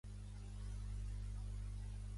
És poc el que se sap d'ell.